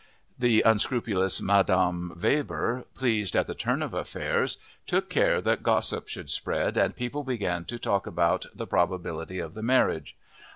The unscrupulous Madame Weber, pleased at the turn of affairs, took care that gossip should spread, and people began to talk about the probability of the marriage.